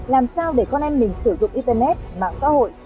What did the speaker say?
làm sao để con em mình sử dụng internet mạng xã hội